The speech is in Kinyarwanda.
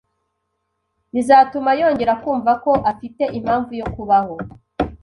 bizatuma yongera kumva ko afite impamvu yo kubaho